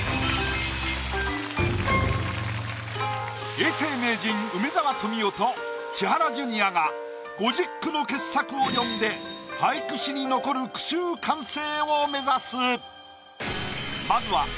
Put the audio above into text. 永世名人梅沢富美男と千原ジュニアが５０句の傑作を詠んで俳句史に残る句集完成を目指す。